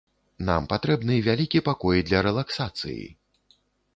Нам патрэбны вялікі пакой для рэлаксацыі!